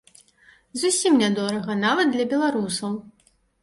Зусім нядорага, нават для беларусаў.